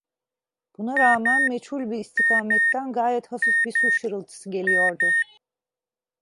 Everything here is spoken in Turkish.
Buna rağmen meçhul bir istikametten gayet hafif bir su şırıltısı geliyordu.